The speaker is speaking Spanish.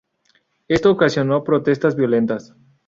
Esto ocasionó protestas violentas.